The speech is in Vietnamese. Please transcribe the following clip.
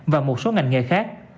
và một số ngành nghề khác